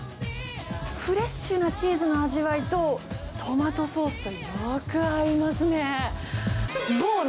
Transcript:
フレッシュなチーズの味わいと、トマトソースとよく合いますね。